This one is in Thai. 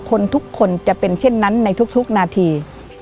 คนทุกคนจะเป็นเช่นนั้นในทุกนาที